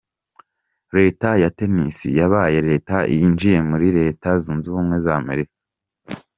Leta ya Tennessee yabaye Leta ya yinjiye muri Leta zunze ubumwe za Amerika.